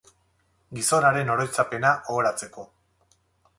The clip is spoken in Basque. Gizon haren oroitzapena ohoratzeko.